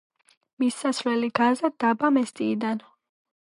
მისასვლელი გაზა დაბა მესტიიდან.